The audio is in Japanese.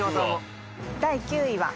第９位は。